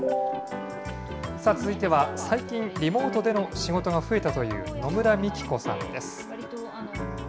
続いては、最近、リモートでの仕事が増えたという、野村三希子さんです。